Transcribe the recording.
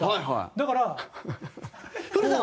だから。